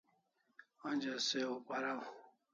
Onja se o paraw